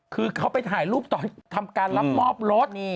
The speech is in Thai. คือเขาไปถ่ายรูปตอนทำการรับมอบรถ